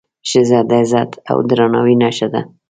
ښځه د عزت او درناوي نښه ده.